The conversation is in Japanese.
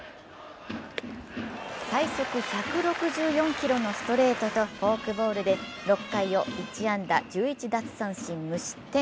最速１６４キロのストレートとフォークボールでフォークボールで６回を１安打１１奪三振無失点。